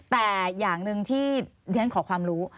แต่อย่างหนึ่งที่ฉันขอความรู้